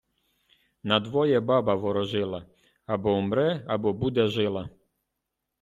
Надвоє баба ворожила: або вмре, або буде жила.